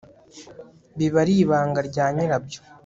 biba ari ibanga rya nyiraryo